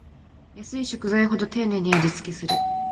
安い食材ほど丁寧に味つけする